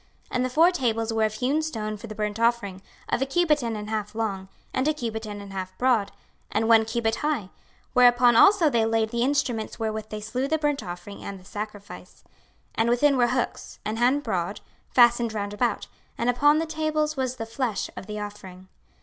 26:040:042 And the four tables were of hewn stone for the burnt offering, of a cubit and an half long, and a cubit and an half broad, and one cubit high: whereupon also they laid the instruments wherewith they slew the burnt offering and the sacrifice. 26:040:043 And within were hooks, an hand broad, fastened round about: and upon the tables was the flesh of the offering.